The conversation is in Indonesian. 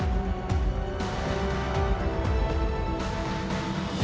aku mau pergi